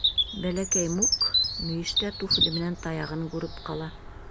Бәләкәй Мук мөйөштә туфли менән таяғын күреп ҡала.